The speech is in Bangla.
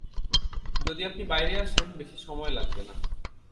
যদি আপনি বাইরে আসেন, বেশি সময় লাগবে না।